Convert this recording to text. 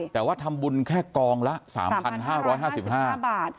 แต่ว่าทำบุญแค่กองละ๓๕๕บาท